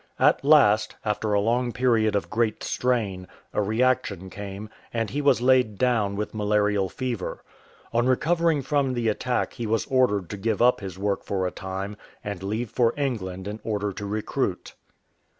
At last, after a long period of great strain, a re action came, and he was laid down with malarial fever. On recovering from the attack he was ordered to give up his work for a time and leave for England in order to recruit.